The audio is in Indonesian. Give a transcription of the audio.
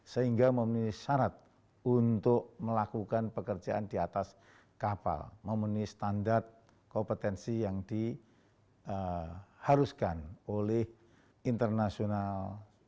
sehingga memenuhi syarat untuk melakukan pekerjaan di atas kapal memenuhi standar kompetensi yang diharuskan oleh international